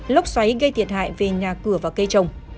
lốc xoáy gây thiệt hại về nhà cửa và cây trồng